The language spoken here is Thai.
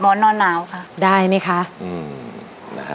มีความรู้สึกว่ามีความรู้สึกว่ามีความรู้สึกว่า